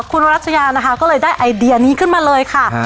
คุณวรัชยานะคะก็เลยได้ไอเดียนี้ขึ้นมาเลยค่ะ